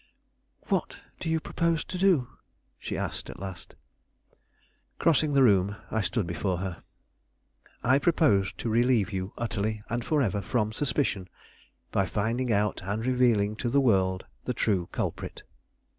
"What do you propose to do?" she asked, at last. Crossing the room, I stood before her. "I propose to relieve you utterly and forever from suspicion, by finding out and revealing to the world the true culprit."